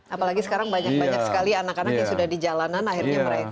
apalagi sekarang banyak banyak sekali anak anak yang sudah di jalanan akhirnya mereka